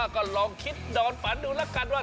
ก็ลองคิดดอนฝันดูแล้วกันว่า